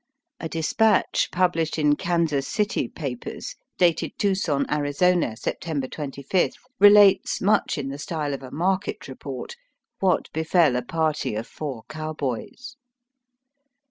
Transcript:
A despatch published in Kansas City papers, dated Tuscon, Arizona, September 25, relates, much in the style of a market report, what befel a party of four cowboys.